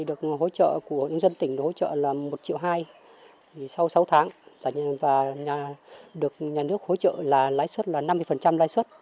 được hỗ trợ của nhân dân tỉnh hỗ trợ là một triệu hai sau sáu tháng và được nhà nước hỗ trợ là lãi suất là năm mươi lãi suất